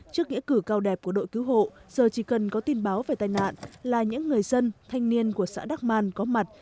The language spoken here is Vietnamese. trước nghĩa cử cao đẹp của đội cứu hộ giờ chỉ cần có tin báo về tai nạn là những người dân thanh niên của xã đắc man có mặt